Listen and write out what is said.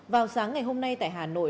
vào sáng ngày hôm nay tại hà nội